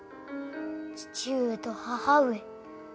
父上と母上